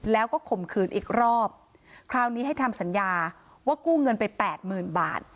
แล้วก็ข่มขืนอีกรอบคราวนี้ให้ทำสัญญาว่ากู้เงินไปแปดหมื่นบาท